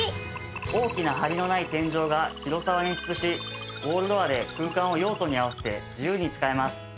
大きな梁のない天井が広さを演出しウォールドアで空間を用途に合わせて自由に使えます。